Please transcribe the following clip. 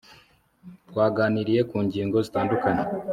twaganiriye ku ngingo zitandukanye